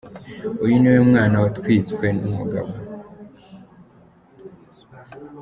Uyu ni we mwana watwiswe n’umugabo.